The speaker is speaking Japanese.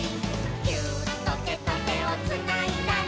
「ギューッとてとてをつないだら」